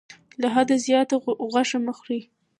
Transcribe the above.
له حده زیاته غوښه مه خورئ.